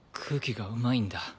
空気がうまいんだ。